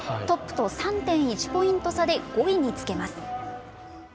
トップと３．１ポイント差で５位につけます。